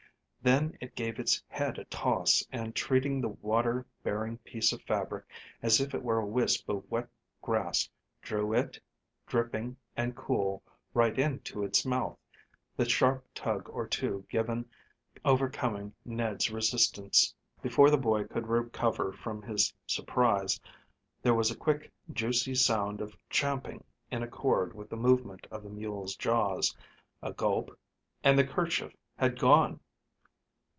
Then it gave its head a toss, and treating the water bearing piece of fabric as if it were a wisp of wet grass, drew it, dripping and cool, right into its mouth, the sharp tug or two given overcoming Ned's resistance. Before the boy could recover from his surprise there was a quick juicy sound of champing in accord with the movement of the mule's jaws, a gulp, and the kerchief had gone.